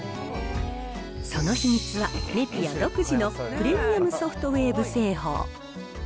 その秘密は、ネピア独自のプレミアムソフトウェーブ製法。